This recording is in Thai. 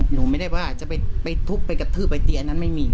หนูไม่ได้ว่าจะไปทุบไปกระทืบไอตีอันนั้นไม่มี